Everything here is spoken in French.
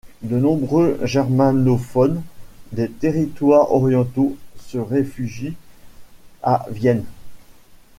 De nombreux germanophones des territoires orientaux se réfugient à Vienne.